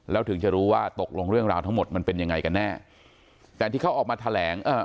แล้วถึงจะรู้ว่าตกลงเรื่องราวทั้งหมดมันเป็นยังไงกันแน่แต่ที่เขาออกมาแถลงอ่า